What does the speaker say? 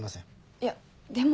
いやでも。